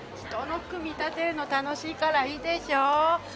人の服見立てるの楽しいからいいでしょ。